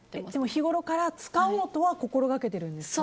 日ごろから使おうとは心がけてるんですか？